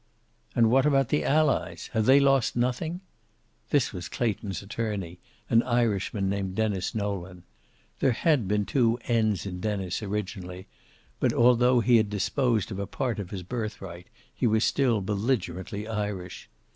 "And what about the Allies? Have they lost nothing?" This was Clayton's attorney, an Irishman named Denis Nolan. There had been two n's in the Denis, originally, but although he had disposed of a part of his birthright, he was still belligerently Irish.